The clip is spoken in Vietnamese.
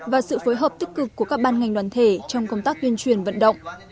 và sự phối hợp tích cực của các ban ngành đoàn thể trong công tác tuyên truyền vận động